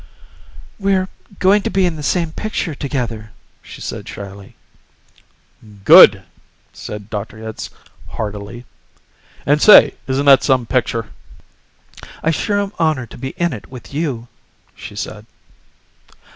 "We're going to be in the same picture together," she said shyly. "Good!" said Dr. Hitz heartily. "And, say, isn't that some picture?" "I sure am honored to be in it with you," she said.